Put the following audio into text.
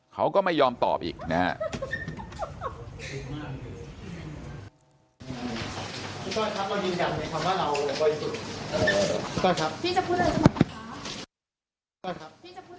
เขาก็ไม่ยอมตอบอีกนะครับ